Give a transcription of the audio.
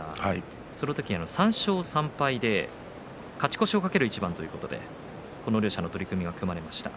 その時は３勝３敗で勝ち越しを懸ける一番ということで両者の取組が組まれました。